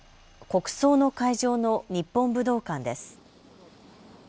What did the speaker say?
国葬の会場の日本武道館です。